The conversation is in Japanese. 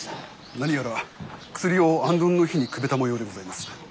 何やら薬を行灯の火にくべたもようでございます。